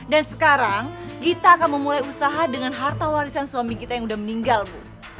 dan sekarang gita akan memulai usaha dengan harta warisan suami kita yang sudah meninggal bu